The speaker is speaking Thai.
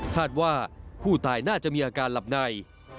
คาดว่าผู้ตายน่าจะมีอาการหลับใน